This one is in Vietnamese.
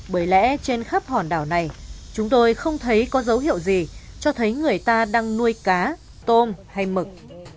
bởi lẽ trên khắp hòn đảo này chúng tôi không thấy có dấu hiệu gì cho thấy người ta đang nuôi cá tôm hay mực